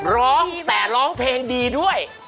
ร้องแต่ร้องเพลงดีด้วย